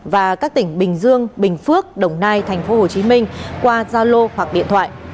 và các tỉnh bình dương bình phước đồng nai tp hcm qua gia lô hoặc điện thoại